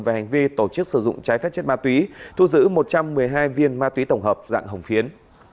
về hành vi tổ chức sử dụng trái phép chất ma túy thu giữ một trăm một mươi hai viên ma túy tổng hợp dạng hồng phiến